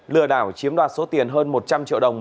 lừa đảo chiếm đoạt số tiền hơn một trăm linh triệu đồng